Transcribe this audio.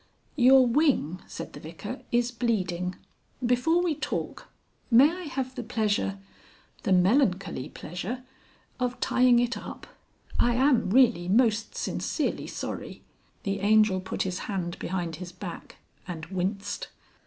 "Your wing," said the Vicar, "is bleeding. Before we talk, may I have the pleasure the melancholy pleasure of tying it up? I am really most sincerely sorry...." The Angel put his hand behind his back and winced.